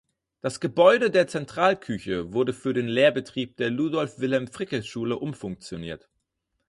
Das Gebäude der Zentralküche wurde für den Lehrbetrieb der Ludolf-Wilhelm-Fricke-Schule umfunktioniert.